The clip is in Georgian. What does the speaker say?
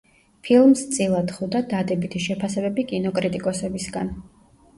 ფილმს წილად ხვდა დადებითი შეფასებები კინოკრიტიკოსებისგან.